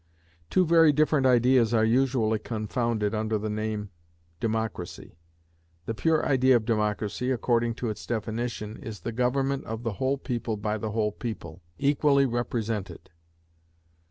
Two very different ideas are usually confounded under the name democracy. The pure idea of democracy, according to its definition, is the government of the whole people by the whole people, equally represented.